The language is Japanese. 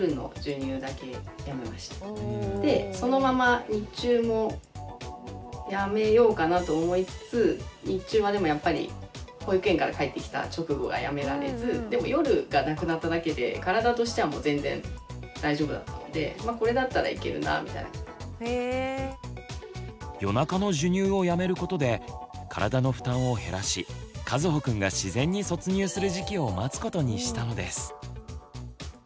でそのまま日中もやめようかなと思いつつ日中はでもやっぱり保育園から帰ってきた直後がやめられず夜中の授乳をやめることで体の負担を減らしかずほくんが自然に卒乳する時期を待つことにしたのです。